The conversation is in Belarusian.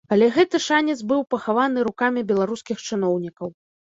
Але гэты шанец быў пахаваны рукамі беларускіх чыноўнікаў.